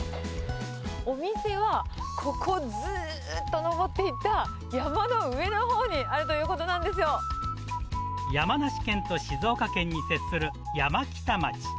お店は、ここをずーっと上っていった山の上のほうにあるということなんで山梨県と静岡県に接する山北町。